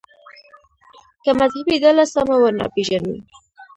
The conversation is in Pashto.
که مذهبي ډله سمه ونه پېژنو.